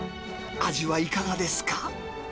味はいかがですか？